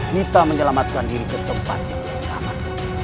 nita menyelamatkan diri ke tempat yang lebih aman